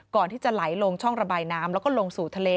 ก่อนที่จะไหลลงช่องระบายน้ำแล้วก็ลงสู่ทะเล